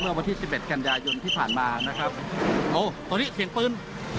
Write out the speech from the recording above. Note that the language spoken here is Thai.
เมื่อพะที่สิบเอ็ดกันยายนที่ผ่านมานะครับโอโสิเสียงปืน